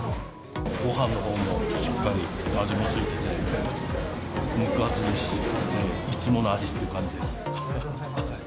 ごはんのほうもしっかり味も付いてて、肉厚ですし、いつもの味っていう感じです。